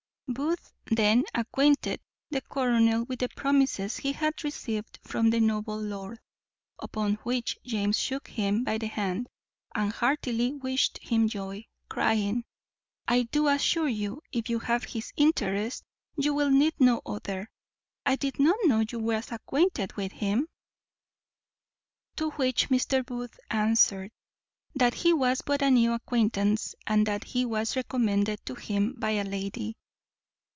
Booth then acquainted the colonel with the promises he had received from the noble lord, upon which James shook him by the hand, and heartily wished him joy, crying, "I do assure you, if you have his interest, you will need no other; I did not know you was acquainted with him." To which Mr. Booth answered, "That he was but a new acquaintance, and that he was recommended to him by a lady."